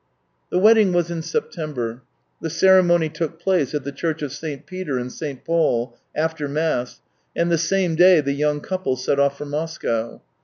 The wedding was in September. The ceremony took place at the Church of St. Peter and St. Paul, after mass, and the same day the young couple set off for Moscow.